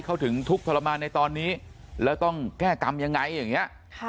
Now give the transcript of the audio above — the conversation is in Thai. เขาถึงทุกข์ทรมานในตอนนี้แล้วต้องแก้กรรมยังไงอย่างนี้